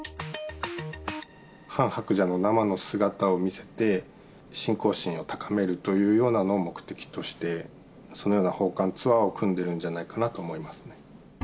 ハン・ハクジャの生の姿を見せて、信仰心を高めるというようなのを目的として、そのような訪韓ツアーを組んでるんじゃないかなと思いますね。